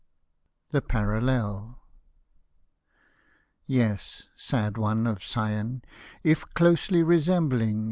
THE PARALLEL Yes, sad one of Sion, if closely resembling.